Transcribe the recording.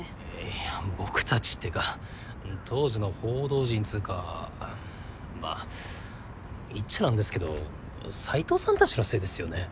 えぇいや僕たちってか当時の報道陣つうかまあ言っちゃなんですけど斎藤さんたちのせいですよね。